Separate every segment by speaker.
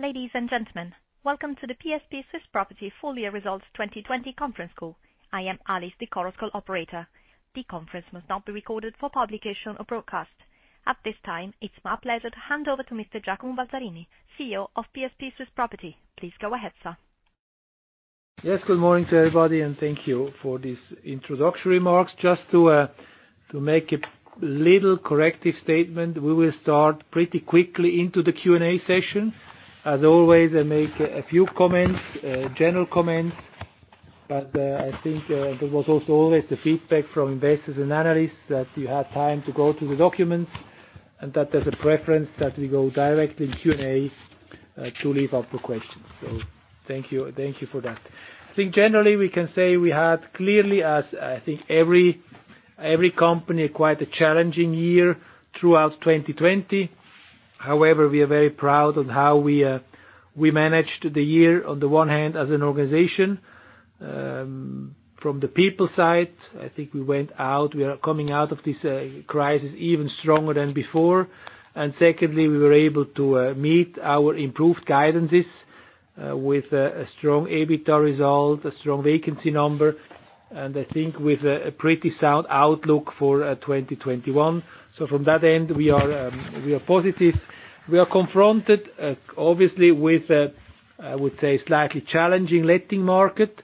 Speaker 1: Ladies and gentlemen, welcome to the PSP Swiss Property Full Year Results 2020 Conference Call. I am Alice, the conference call operator. The conference must not be recorded for publication or broadcast. At this time, it's my pleasure to hand over to Mr. Giacomo Balzarini, CEO of PSP Swiss Property. Please go ahead, sir.
Speaker 2: Yes, good morning to everybody, and thank you for these introductory remarks. Just to make a little corrective statement, we will start pretty quickly into the Q&A session. As always, I make a few comments, general comments, but I think there was also always the feedback from investors and analysts that you had time to go through the documents and that there's a preference that we go direct in Q&A to leave up for questions. Thank you for that. I think generally we can say we had clearly, as I think every company, quite a challenging year throughout 2020. However, we are very proud of how we managed the year, on the one hand as an organization. From the people side, I think we are coming out of this crisis even stronger than before. Secondly, we were able to meet our improved guidances with a strong EBITDA result, a strong vacancy number, and I think with a pretty sound outlook for 2021. From that end, we are positive. We are confronted obviously with, I would say, slightly challenging letting market.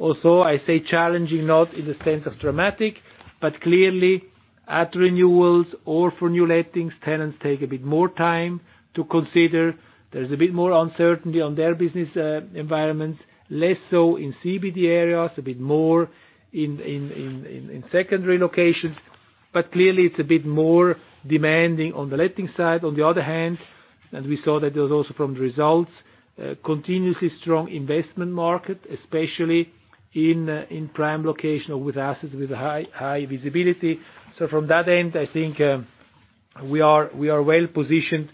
Speaker 2: I say challenging, not in the sense of dramatic, but clearly at renewals or for new lettings, tenants take a bit more time to consider. There's a bit more uncertainty on their business environments, less so in CBD areas, a bit more in secondary locations. Clearly it's a bit more demanding on the letting side. On the other hand, we saw that there was also from the results, continuously strong investment market, especially in prime location with assets with high visibility. From that end, I think we are well-positioned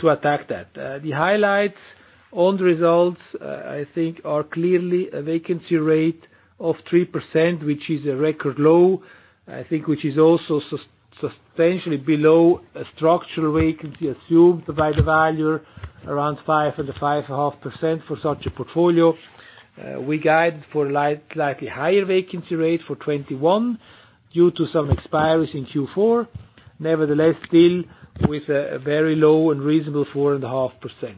Speaker 2: to attack that. The highlights on the results, I think are clearly a vacancy rate of 3%, which is a record low, I think, which is also substantially below a structural vacancy assumed by the valuer around 5%-5.5% for such a portfolio. We guide for slightly higher vacancy rate for 2021 due to some expiries in Q4. Nevertheless, still with a very low and reasonable 4.5%.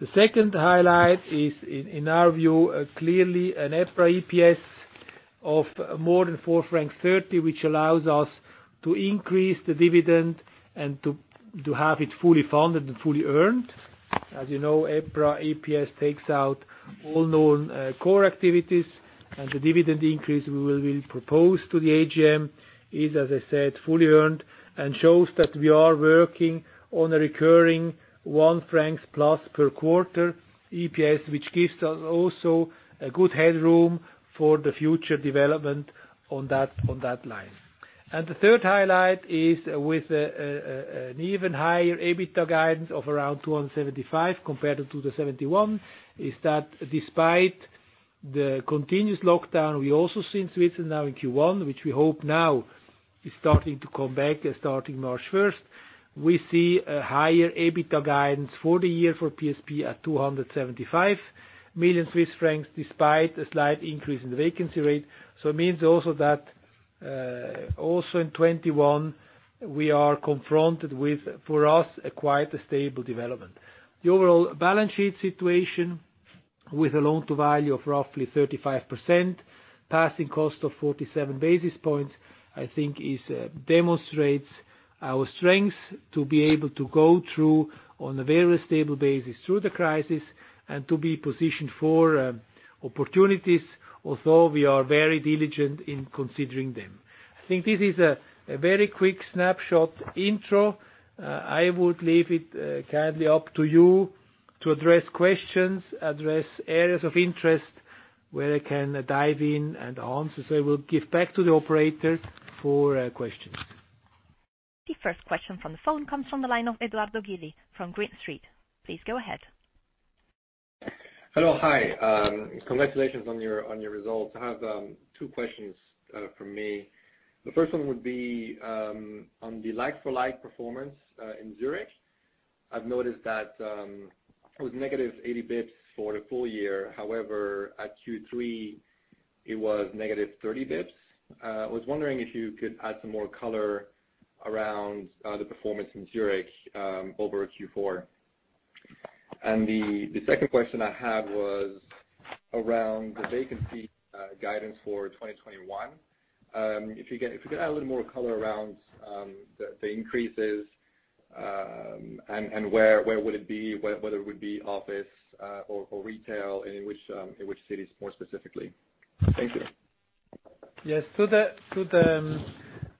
Speaker 2: The second highlight is, in our view, clearly an EPRA EPS of more than 4.30 francs, which allows us to increase the dividend and to have it fully funded and fully earned. As you know, EPRA EPS takes out all non-core activities. The dividend increase we will propose to the AGM is, as I said, fully earned and shows that we are working on a recurring 1+ francs per quarter EPS, which gives us also a good headroom for the future development on that line. The third highlight is with an even higher EBITDA guidance of around 275 compared to the 71, is that despite the continuous lockdown we also see in Switzerland now in Q1, which we hope now is starting to come back, starting March 1st. We see a higher EBITDA guidance for the year for PSP at 275 million Swiss francs, despite a slight increase in the vacancy rate. It means also that also in 2021, we are confronted with, for us, a quite a stable development. The overall balance sheet situation with a loan-to-value of roughly 35%, passing cost of 47 basis points, I think demonstrates our strength to be able to go through on a very stable basis through the crisis and to be positioned for opportunities. Although we are very diligent in considering them. I think this is a very quick snapshot intro. I would leave it kindly up to you to address questions, address areas of interest where I can dive in and answer. I will give back to the operator for questions.
Speaker 1: The first question from the phone comes from the line of Edoardo Gili from Green Street. Please go ahead.
Speaker 3: Hello. Hi. Congratulations on your results. I have two questions from me. The first one would be on the like-for-like performance in Zürich. I've noticed that it was -80 basis points for the full year. However, at Q3 it was -30 basis points. I was wondering if you could add some more color around the performance in Zürich over Q4. The second question I had was around the vacancy guidance for 2021. If you could add a little more color around the increases, and where would it be, whether it would be office or retail, and in which cities more specifically. Thank you.
Speaker 2: Yes. To the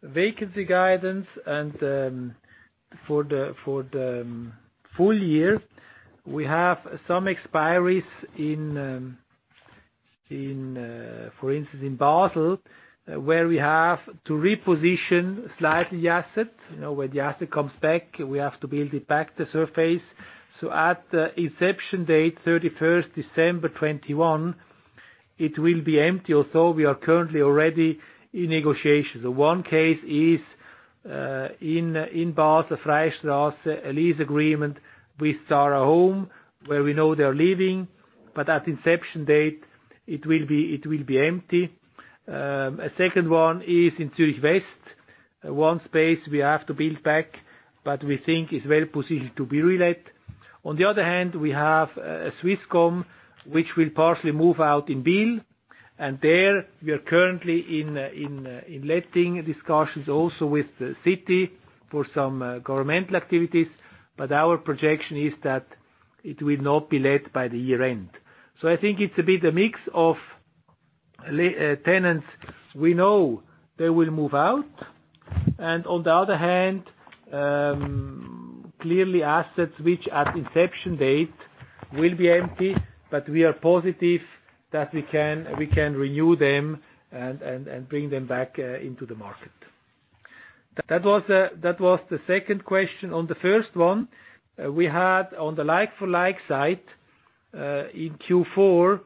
Speaker 2: vacancy guidance and for the full year, we have some expiries, for instance, in Basel, where we have to reposition slightly the asset. When the asset comes back, we have to build it back to surface. At the inception date, December 31st, 2021. It will be empty, or so we are currently already in negotiations. One case is in Basel, Freie Strasse, a lease agreement with Zara Home, where we know they're leaving, but at inception date, it will be empty. A second one is in Zürich West. One space we have to build back, we think it's very possible to be re-let. On the other hand, we have Swisscom, which will partially move out in Biel. There we are currently in letting discussions also with the city for some governmental activities. Our projection is that it will not be let by the year-end. I think it's a bit a mix of tenants. We know they will move out. On the other hand, clearly assets which at inception date will be empty, but we are positive that we can renew them and bring them back into the market. That was the second question. On the first one, we had on the like-for-like side, in Q4,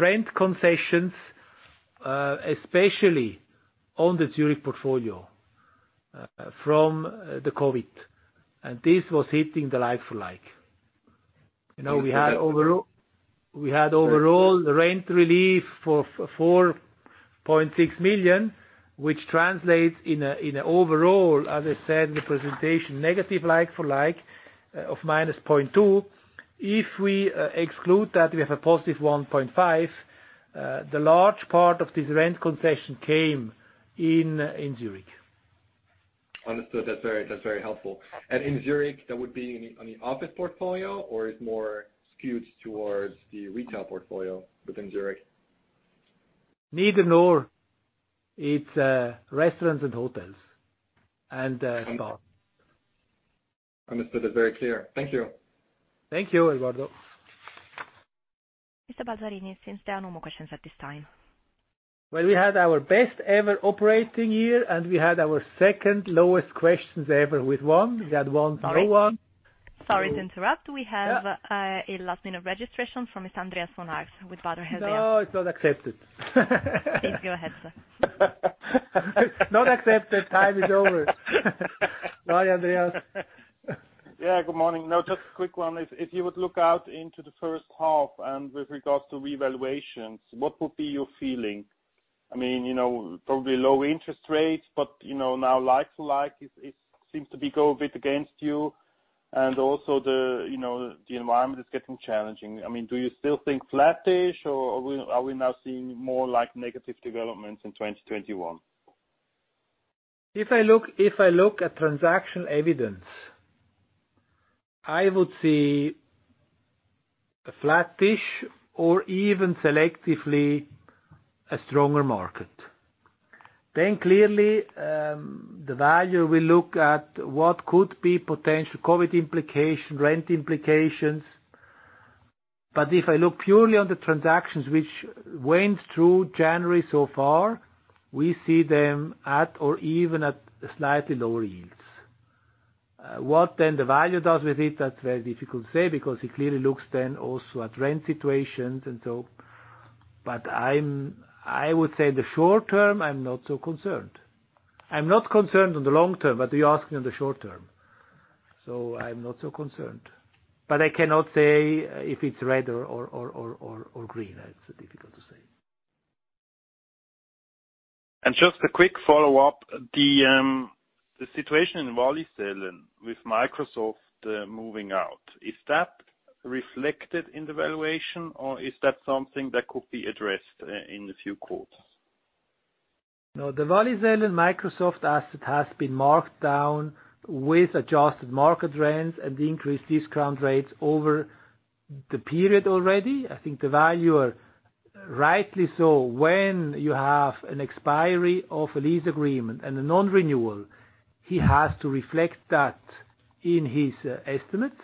Speaker 2: rent concessions, especially on the Zurich portfolio, from the COVID. This was hitting the like-for-like. We had overall rent relief for 4.6 million, which translates in an overall, as I said in the presentation, negative like-for-like, of -0.2%. If we exclude that, we have a +1.5%. The large part of this rent concession came in Zürich.
Speaker 3: Understood. That's very helpful. In Zürich, that would be on the office portfolio, or it's more skewed towards the retail portfolio within Zürich?
Speaker 2: Neither nor. It's restaurants and hotels and bars.
Speaker 3: Understood. That's very clear. Thank you.
Speaker 2: Thank you, Edoardo.
Speaker 1: Mr. Balzarini, seems there are no more questions at this time.
Speaker 2: Well, we had our best ever operating year, and we had our second lowest questions ever with one. We had one, now one.
Speaker 1: Sorry to interrupt. We have a last minute registration from Andreas von Arx with Baader Helvea.
Speaker 2: No, it's not accepted.
Speaker 1: Please go ahead, sir.
Speaker 2: Not accepted. Time is over. Hi, Andreas.
Speaker 4: Yeah, good morning. Just a quick one. If you would look out into the first half and with regards to revaluations, what would be your feeling? Probably low interest rates, but now like-for-like, it seems to be going a bit against you, and also the environment is getting challenging. Do you still think flattish or are we now seeing more negative developments in 2021?
Speaker 2: If I look at transaction evidence, I would see a flattish or even selectively a stronger market. Clearly, the valuer will look at what could be potential COVID implication, rent implications. If I look purely on the transactions which went through January so far, we see them at or even at slightly lower yields. What the valuer does with it, that's very difficult to say because he clearly looks then also at rent situations and so. I would say the short-term, I'm not so concerned. I'm not concerned on the long-term, but you're asking on the short-term. I'm not so concerned. I cannot say if it's red or green. It's difficult to say.
Speaker 4: Just a quick follow-up. The situation in Wallisellen with Microsoft moving out, is that reflected in the valuation, or is that something that could be addressed in a few quotes?
Speaker 2: No, the Wallisellen Microsoft asset has been marked down with adjusted market rents and increased discount rates over the period already. I think the valuer, rightly so, when you have an expiry of a lease agreement and a non-renewal, he has to reflect that in his estimates.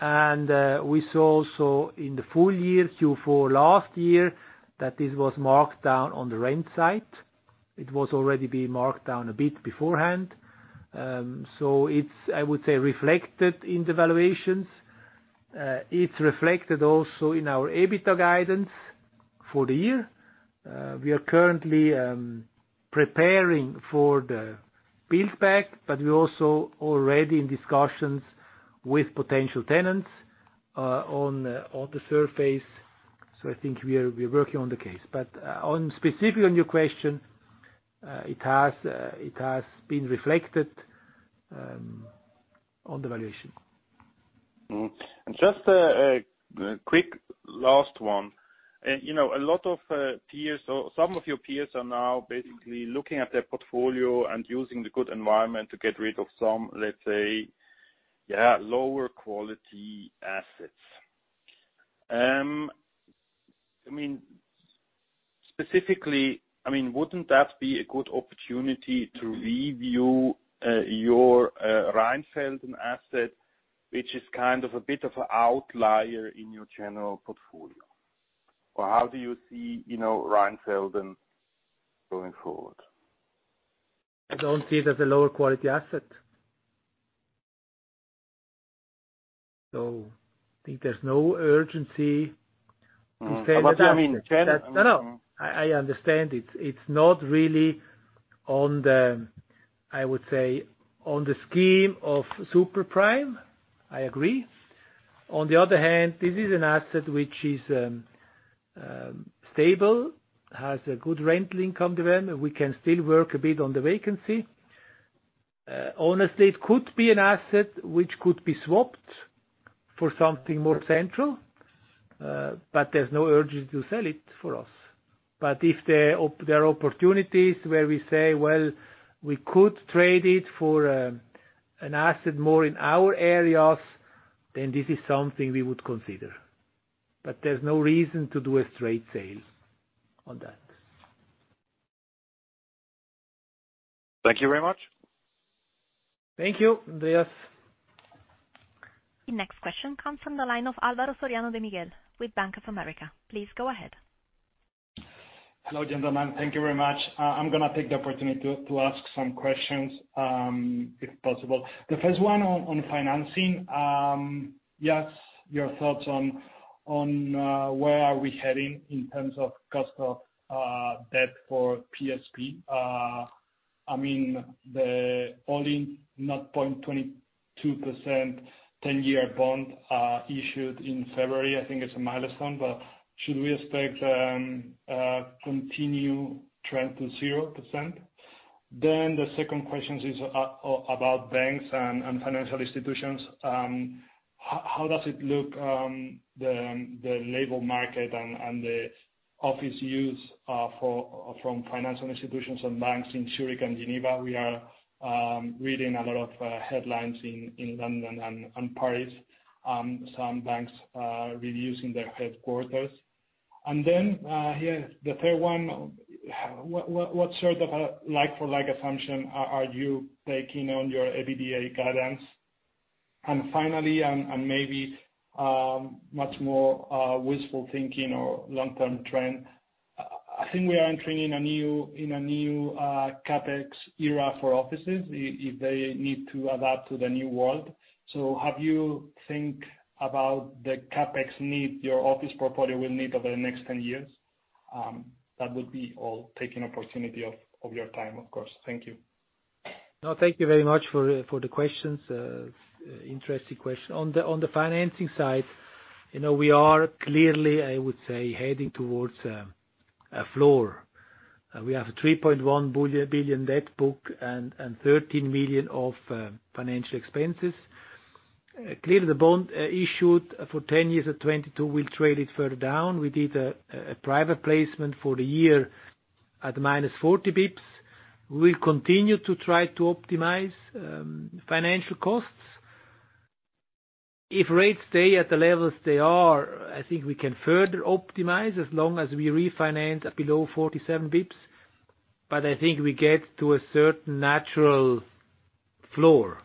Speaker 2: We saw also in the full year Q4 last year, that this was marked down on the rent side. It was already being marked down a bit beforehand. It's, I would say, reflected in the valuations. It's reflected also in our EBITDA guidance for the year. We are currently preparing for the build back, but we're also already in discussions with potential tenants on the surface. I think we're working on the case. Specific on your question, it has been reflected on the valuation.
Speaker 4: Just a quick last one. Some of your peers are now basically looking at their portfolio and using the good environment to get rid of some, let's say, lower quality assets. Specifically, wouldn't that be a good opportunity to review your Rheinfelden asset, which is a bit of an outlier in your general portfolio? How do you see Rheinfelden going forward?
Speaker 2: I don't see it as a lower quality asset. I think there's no urgency to sell the asset.
Speaker 4: But you mean.
Speaker 2: No, I understand. It's not really, I would say, on the scheme of super prime. I agree. On the other hand, this is an asset which is stable, has a good rental income development. We can still work a bit on the vacancy. Honestly, it could be an asset which could be swapped for something more central. There's no urgency to sell it for us. If there are opportunities where we say, well, we could trade it for an asset more in our areas, then this is something we would consider. There's no reason to do a straight sale on that.
Speaker 4: Thank you very much.
Speaker 2: Thank you. Yes.
Speaker 1: The next question comes from the line of Álvaro Soriano de Miguel with Bank of America. Please go ahead.
Speaker 5: Hello, gentlemen. Thank you very much. I'm going to take the opportunity to ask some questions, if possible. The first one on financing. Just your thoughts on, where are we heading in terms of cost of debt for PSP? The only 0.22% 10-year bond issued in February, I think it's a milestone, but should we expect continue trend to 0%? The second question is about banks and financial institutions. How does it look, the labor market and the office use from financial institutions and banks in Zürich and Geneva? We are reading a lot of headlines in London and Paris. Some banks are reducing their headquarters. Here, the third one. What sort of a like-for-like assumption are you taking on your EBITDA guidance? Finally, and maybe much more wishful thinking or long-term trend, I think we are entering in a new CapEx era for offices if they need to adapt to the new world. Have you think about the CapEx need your office portfolio will need over the next 10 years? That would be all, taking opportunity of your time, of course. Thank you.
Speaker 2: Thank you very much for the questions. Interesting question. On the financing side, we are clearly, I would say, heading towards a floor. We have a 3.1 billion debt book and 13 million of financial expenses. Clearly, the bond issued for 10 years at 0.22%, we'll trade it further down. We did a private placement for the year at -40 basis points. We'll continue to try to optimize financial costs. If rates stay at the levels they are, I think we can further optimize as long as we refinance at below 47 basis points. I think we get to a certain natural floor.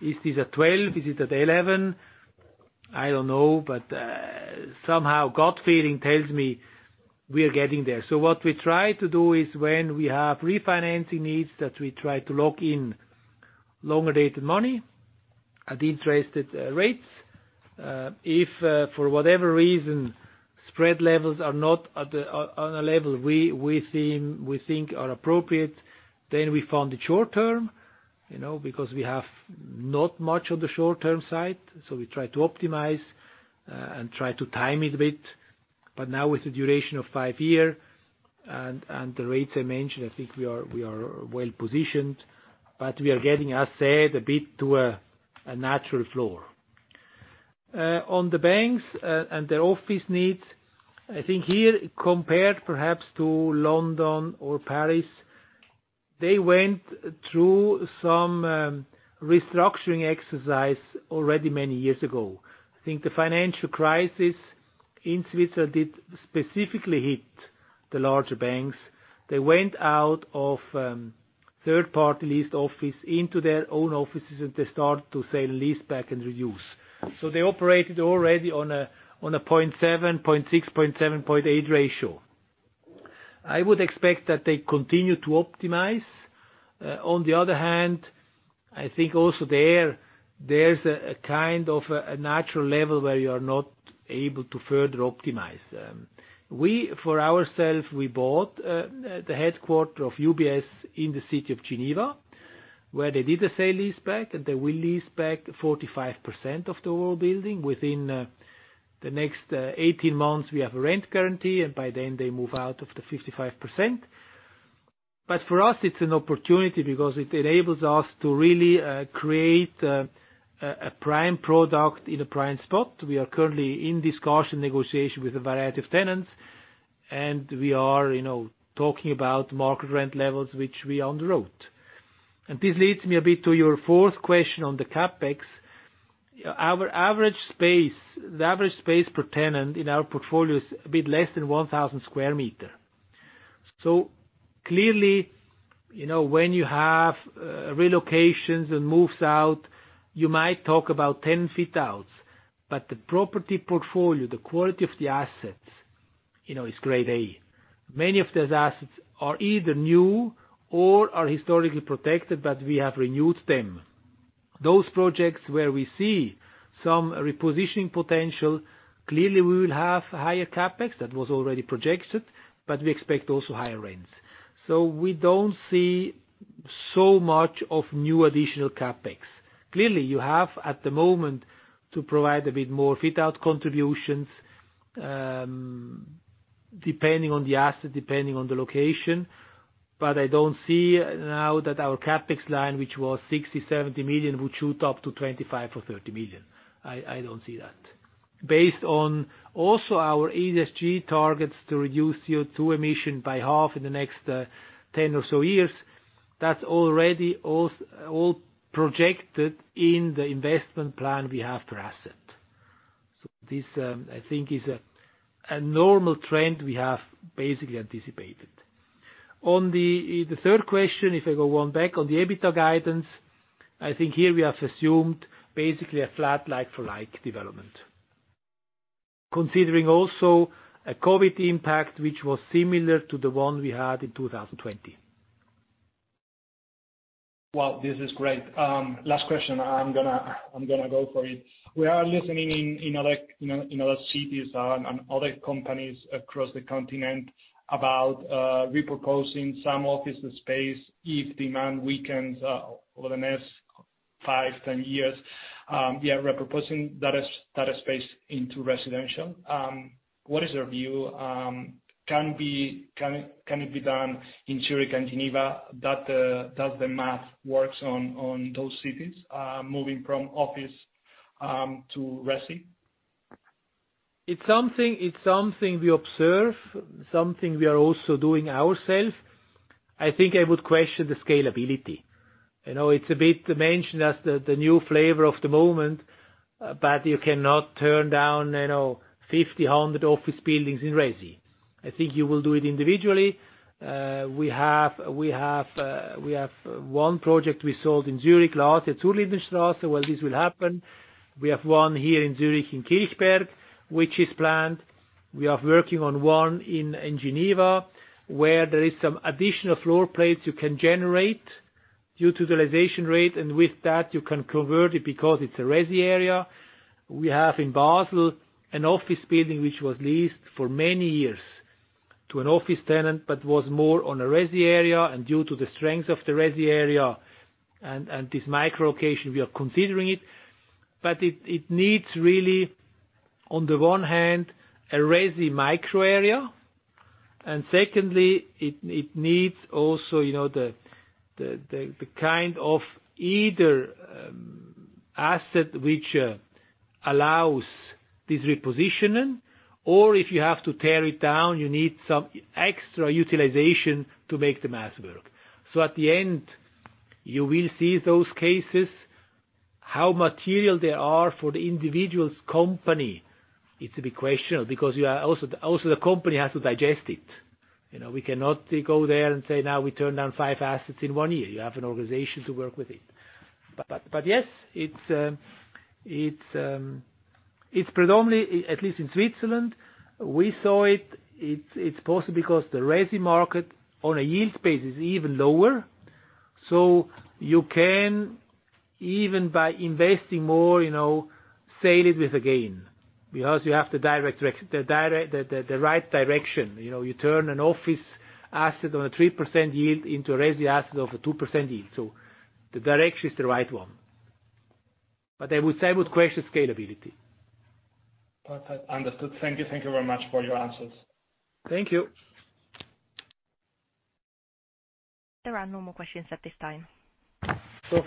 Speaker 2: Is this at 12? Is it at 11? I don't know, but somehow gut feeling tells me we are getting there. What we try to do is when we have refinancing needs, that we try to lock in longer-dated money at interest rates. If, for whatever reason, spread levels are not on a level we think are appropriate, then we fund it short-term, because we have not much on the short-term side. We try to optimize and try to time it a bit. Now with the duration of five year and the rates I mentioned, I think we are well positioned, but we are getting, as said, a bit to a natural floor. On the banks, and their office needs, I think here, compared perhaps to London or Paris, they went through some restructuring exercise already many years ago. I think the financial crisis in Switzerland did specifically hit the larger banks. They went out of third-party leased office into their own offices, and they start to sell lease back and reduce. They operated already on a 0.6%, 0.7%, 0.8% ratio. I would expect that they continue to optimize. On the other hand, I think also there's a kind of natural level where you are not able to further optimize. We, for ourself, we bought the headquarter of UBS in the city of Geneva, where they did the sale-leaseback, and they will lease back 45% of the whole building. Within the next 18 months, we have a rent guarantee. By then they move out of the 55%. For us, it's an opportunity because it enables us to really create a prime product in a prime spot. We are currently in discussion negotiation with a variety of tenants. We are talking about market rent levels, which we underwrote. This leads me a bit to your fourth question on the CapEx. The average space per tenant in our portfolio is a bit less than 1,000 sq m. Clearly, when you have relocations and moves out, you might talk about 10 fit-outs. The property portfolio, the quality of the assets. It's Grade A. Many of those assets are either new or are historically protected, but we have renewed them. Those projects where we see some repositioning potential, clearly we will have higher CapEx that was already projected, but we expect also higher rents. We don't see so much of new additional CapEx. Clearly, you have, at the moment, to provide a bit more fit-out contributions, depending on the asset, depending on the location. I don't see now that our CapEx line, which was 60 million-70 million, would shoot up to 25 million or 30 million. I don't see that. Based on also our ESG targets to reduce CO2 emission by half in the next 10 or so years, that's already all projected in the investment plan we have per asset. This, I think is a normal trend we have basically anticipated. On the third question, if I go one back on the EBITDA guidance, I think here we have assumed basically a flat like-for-like development. Considering also a COVID impact, which was similar to the one we had in 2020.
Speaker 5: Well, this is great. Last question. I'm going to go for it. We are listening in other cities and other companies across the continent about repurposing some office space if demand weakens over the next five, 10 years. We are repurposing that space into residential. What is your view? Can it be done in Zürich and Geneva? Does the math works on those cities, moving from office to resi?
Speaker 2: It's something we observe, something we are also doing ourself. I think I would question the scalability. It's a bit mentioned as the new flavor of the moment, you cannot turn down 50, 100 office buildings in resi. I think you will do it individually. We have one project we sold in Zürich last, at Zurlindenstrasse, where this will happen. We have one here in Zürich in Kilchberg, which is planned. We are working on one in Geneva, where there is some additional floor plates you can generate due to the realization rate, and with that, you can convert it because it's a resi area. We have in Basel an office building which was leased for many years to an office tenant but was more on a resi area, and due to the strength of the resi area and this micro location, we are considering it. It needs really, on the one hand, a resi micro area, and secondly, it needs also the kind of either asset which allows this repositioning, or if you have to tear it down, you need some extra utilization to make the math work. At the end, you will see those cases. How material they are for the individual company, it's a bit questionable because also the company has to digest it. We cannot go there and say, now we turn down five assets in one year. You have an organization to work with it. Yes, it's predominantly, at least in Switzerland, we saw it. It's possible because the resi market on a yield space is even lower. You can, even by investing more, sell it with a gain because you have the right direction. You turn an office asset on a 3% yield into a resi asset of a 2% yield. The direction is the right one. I would say I would question scalability.
Speaker 5: Perfect. Understood. Thank you. Thank you very much for your answers.
Speaker 2: Thank you.
Speaker 1: There are no more questions at this time.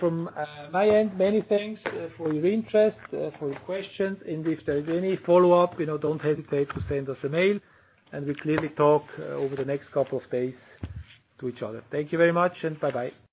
Speaker 2: From my end, many thanks for your interest, for your questions, and if there's any follow-up, don't hesitate to send us a mail, and we clearly talk over the next couple of days to each other. Thank you very much, and bye-bye.